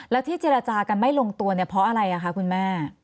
แล้วที่เจรจากันไม่ลงตัวเนี่ยเพราะอะไรคะคุณแม่